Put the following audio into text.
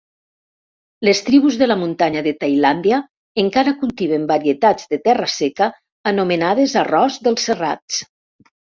Les tribus de la muntanya de Tailàndia encara cultiven varietats de terra seca anomenades arròs dels serrats.